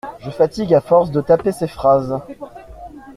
Je fatigue à force de taper ces phrases.